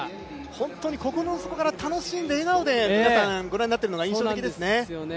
本当に心の底から楽しんで、笑顔で皆さん、ご覧になっているのが印象的ですよね。